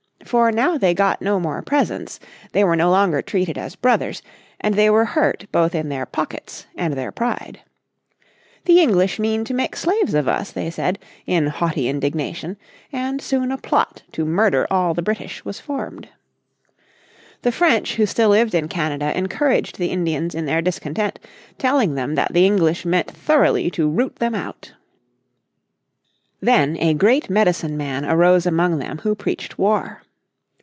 For now they got no more presents, they were no longer treated as brothers, and they were hurt both in their pockets and their pride. "The English mean to make slaves of us," they said, in haughty indignation, and soon a plot to murder all the British was formed. The French who still lived in Canada encouraged the Indians in their discontent, telling them that the English meant thoroughly to root them out. Then a great Medicine Man arose among them who preached war.